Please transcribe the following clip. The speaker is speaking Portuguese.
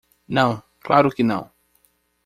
Não? claro que não.